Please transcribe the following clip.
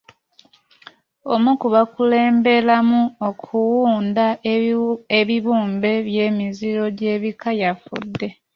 Omu ku baakulemberamu okuwunda ebibumbe by'emiziro gy'ebika yafudde.